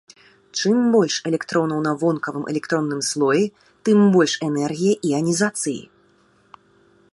Чым больш электронаў на вонкавым электронным слоі, тым больш энергія іанізацыі.